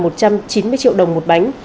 một trăm chín mươi triệu đồng một bánh